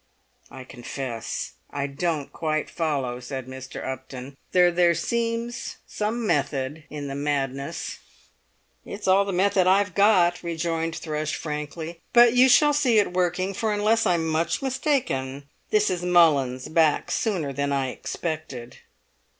"I confess I don't quite follow," said Mr. Upton, "though there seems some method in the madness." "It's all the method I've got," rejoined Thrush frankly. "But you shall see it working, for unless I'm much mistaken this is Mullins back sooner than I expected."